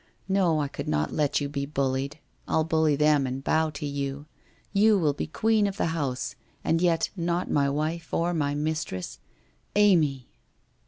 No, I could not let you be bullied. I'll bully them, and bow to you. You will be queen of the house, and yet not my wife or my mistress. Amy